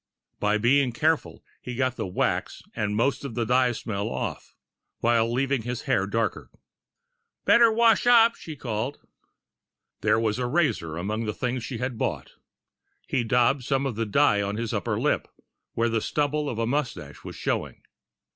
By being careful, he got the wax and most of the dye smell off, while leaving his hair darker. "Better wash up," she called. There was a razor among the things she had bought. He daubed some of the dye on his upper lip, where the stubble of a mustache was showing.